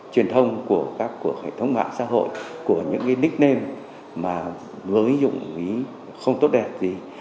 truyền thông của các cuộc hệ thống mạng xã hội của những nickname mà với dụng ví không tốt đẹp gì